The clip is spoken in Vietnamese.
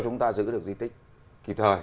chúng ta giữ được di tích kịp thời